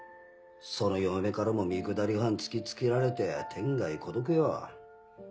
その嫁からも三くだり半突き付けられて天涯孤独よ。